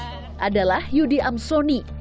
pertama adalah yudi amsoni